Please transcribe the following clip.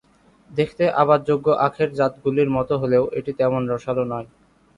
দেখতে আবাদযোগ্য আখের জাতগুলির মতো হলেও এটি তেমন রসালো নয়।